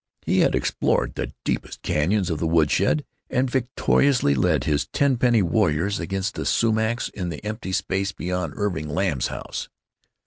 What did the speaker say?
He had explored the deepest cañons of the woodshed, and victoriously led his ten penny warriors against the sumacs in the vacant lot beyond Irving Lamb's house.